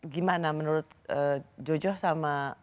gimana menurut jojo sama oni merasa berapa